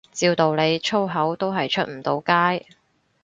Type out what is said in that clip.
照道理粗口都係出唔到街